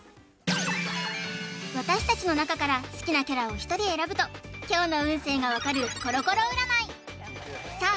私たちの中から好きなキャラを１人選ぶと今日の運勢が分かるコロコロ占いさあ